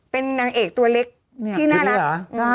เป็นนางเอกตัวเล็กที่น่ารัก